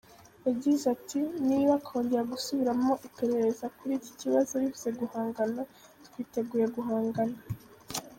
Yagize ati “Niba kongera gusubiramo iperereza kuri iki kibazo bivuze guhangana, twiteguye guhangana.